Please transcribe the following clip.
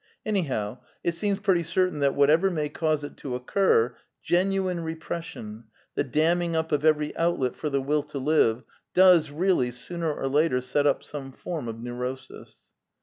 Anyhow, it seems pretty certain that, whatever may cause it to occur, genuine repression, the damming up of every outlet for the Will to live, does really, sooner or later, set up some form of neurosis.